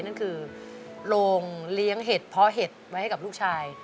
นั่นคือโรงเลี้ยงเห็ดเพาะเห็ดไว้ให้กับลูกชาย